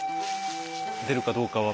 出るかどうかは。